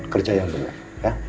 kerja yang bener ya